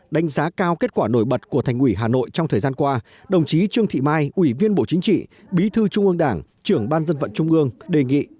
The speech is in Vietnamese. đánh giá cao kết quả nổi bật của thành ủy hà nội trong thời gian qua đồng chí trương thị mai ủy viên bộ chính trị bí thư trung ương đảng trưởng ban dân vận trung ương đề nghị